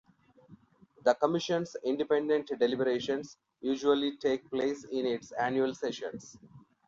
The commission's independent deliberations usually take place in its annual sessions.